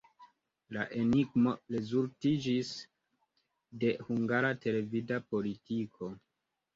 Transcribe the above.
La enigmo rezultiĝis de hungara televida politiko.